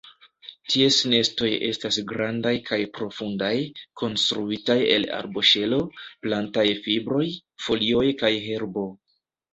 Ties nestoj estas grandaj kaj profundaj, konstruitaj el arboŝelo, plantaj fibroj, folioj kaj herbo.